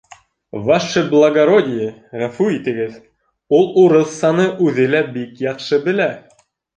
— Ваше благородие, ғәфү итегеҙ, ул урыҫсаны үҙе лә бик яҡшы белә.